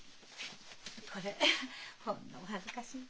これほんのお恥ずかしい。